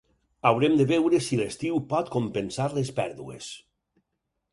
Haurem de veure si l’estiu pot compensar les pèrdues.